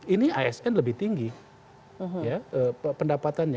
ini asn lebih tinggi pendapatannya